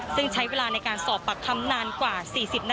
ซึ่งใช้เวลาในการสอบปากคำนานกว่า๔๐นาที